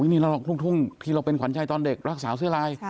นี่เราทุ่งที่เราเป็นขวัญช่ายตอนเด็กรักสาวเสื้อลาย